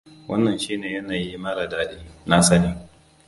Wannan shi ne yanayi mara dadi, na sani.